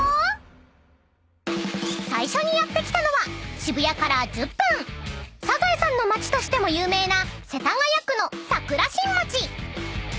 ［最初にやって来たのは渋谷から１０分『サザエさん』の街としても有名な］